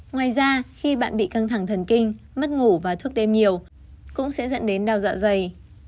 ngoài ra khi bạn bị căng thẳng thần kinh mất ngủ và thuốc đêm nhiều cũng sẽ dẫn đến đau dạ dày